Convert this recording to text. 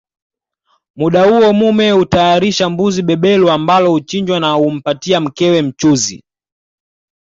Muda huo mume hutayarisha mbuzi beberu ambalo huchinjwa na humpatia mkewe mchuzi